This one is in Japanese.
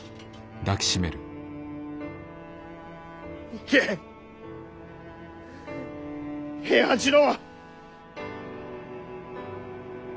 行け平八郎。